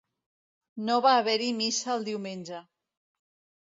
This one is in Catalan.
No va haver-hi missa el diumenge.